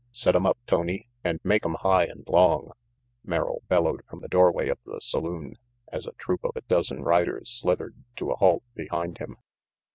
"Set 'em up, Tony, and make 'em high and long," Merrill bellowed from the doorway of the saloon, as a troop of a dozen riders slithered to a halt behind him.